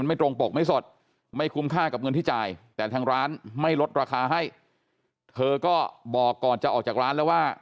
ไม่ตรงปกไม่สดไม่คุ้มค่ากับเงินที่จ่ายแต่ทางร้านไม่ลดราคาให้เธอก็บอกก่อนจะออกจากร้านแล้วว่า